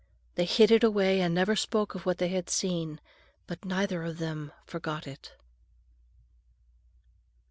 They hid it away and never spoke of what they had seen; but neither of them forgot it.